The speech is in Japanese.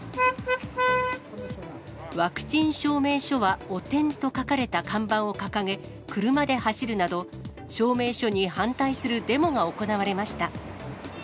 ワクチン証明書は汚点と書かれた看板を掲げ、車で走るなど、証明書に反対するデモが行われました。